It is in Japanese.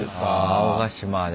青ヶ島で。